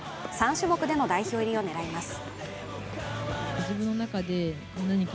３種目での代表入りを狙います。